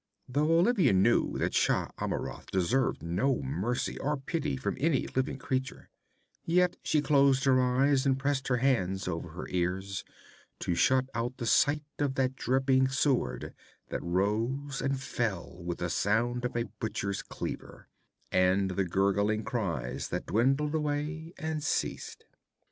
Though Olivia knew that Shah Amurath deserved no mercy or pity from any living creature, yet she closed her eyes and pressed her hands over her ears, to shut out the sight of that dripping sword that rose and fell with the sound of a butcher's cleaver, and the gurgling cries that dwindled away and ceased.